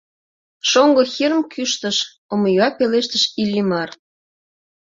— Шоҥго Хирм кӱштыш, — омыюа пелештыш Иллимар.